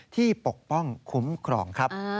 ปกป้องคุ้มครองครับ